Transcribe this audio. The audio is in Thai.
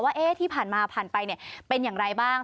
ว่าที่ผ่านมาผ่านไปเป็นอย่างไรบ้าง